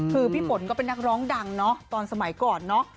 คือพี่ฝนก็เป็นนักร้องดังเนาะตอนสมัยก่อนเนาะ